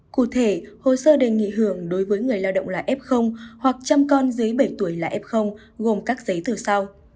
cụ thể hồ sơ đề nghị hưởng đối với người lao động là f hoặc trăm con dưới bảy tuổi là f gồm các giấy tờ sau